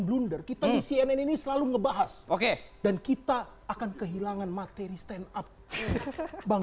blunder kita di cnn ini selalu ngebahas oke dan kita akan kehilangan materi stand up bang